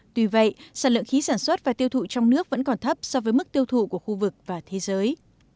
tuy vậy sản lượng khí sản xuất và tiêu thụ trong nước vẫn còn thấp so với mức tiêu thụ của khu vực và thế giới